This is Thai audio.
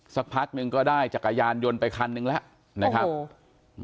สักพัฒน์หนึ่งก็ได้จักรยานยนต์ไปคันนึงแล้วนะครับโอ้โห